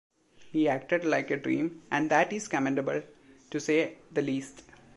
He acted like a dream and that is commendable, to say the least.